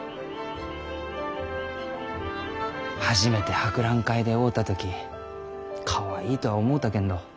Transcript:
初めて博覧会で会うた時かわいいとは思うたけんど